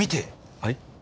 はい？